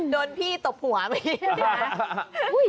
โดนพี่ตบหัวไหม